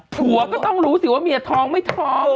ผัวก็ต้องรู้สิว่าเมียท้องไม่ท้อง